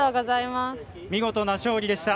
見事な勝利でした。